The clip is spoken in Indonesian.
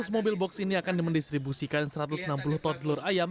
seratus mobil box ini akan mendistribusikan satu ratus enam puluh tot telur ayam